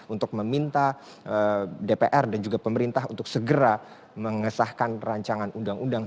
untuk meminta dpr dan juga pemerintah untuk segera mengesahkan rancangan undang undang